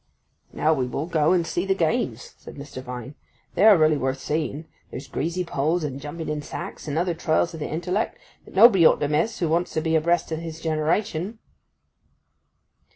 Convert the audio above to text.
'Now we will go and see the games,' said Mr. Vine; 'they are really worth seeing. There's greasy poles, and jumping in sacks, and other trials of the intellect, that nobody ought to miss who wants to be abreast of his generation.